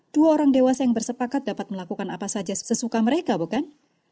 dua orang dewasa yang bersepakat dapat melakukan apa saja sesuka mereka bukan